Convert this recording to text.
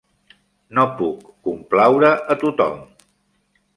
No puc complaure a tothom.